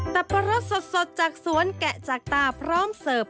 ปะรดสดจากสวนแกะจากตาพร้อมเสิร์ฟ